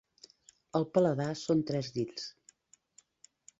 El paladar són tres dits.